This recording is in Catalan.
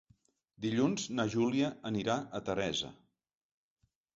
Dilluns na Júlia anirà a Teresa.